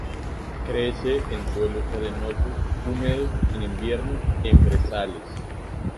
Crece en suelos arenosos húmedos en invierno en brezales.